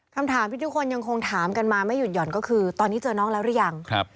คำถามที่ทุกคนยังคงถามกันมาไม่หยุดหย่อนก็คือตอนนี้เจอน้องแล้วหรือยังครับ